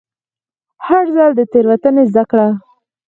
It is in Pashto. هر ځل له تېروتنې زده کړه.